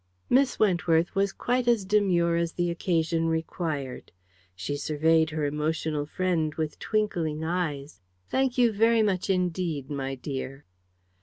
Miss Wentworth was quite as demure as the occasion required. She surveyed her emotional friend with twinkling eyes. "Thank you very much indeed, my dear."